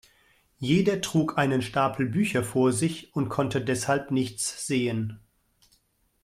Jeder trug einen Stapel Bücher vor sich und konnte deshalb nichts sehen.